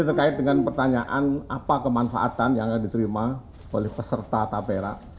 terkait dengan pertanyaan apa kemanfaatan yang akan diterima oleh peserta tapera